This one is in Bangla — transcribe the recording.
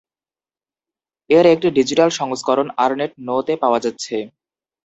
এর একটি ডিজিটাল সংস্করণ অর্নেট. নো-তে পাওয়া যাচ্ছে।